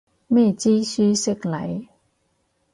咩知書識禮